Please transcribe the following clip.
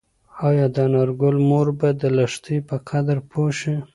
ایا د انارګل مور به د لښتې په قدر پوه شي؟